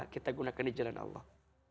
kita gunakan di jalan allah